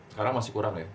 sekarang masih kurang ya